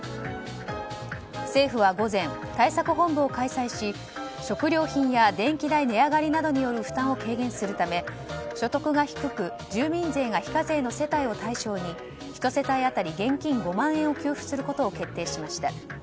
政府は午前対策本部を開催し食料品や電気代値上がりなどによる負担を軽減するために所得が低く住民税が非課税の世帯を対象に１世帯当たり現金５万円を給付することを決定しました。